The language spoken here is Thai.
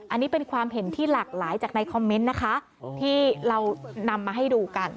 อันนี้เป็นความเห็นที่หลากหลายจากในคอมเมนต์นะคะที่เรานำมาให้ดูกัน